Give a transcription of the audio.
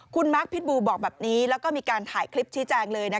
คุณมาร์คพิษบูบอกแบบนี้แล้วก็มีการถ่ายคลิปชี้แจงเลย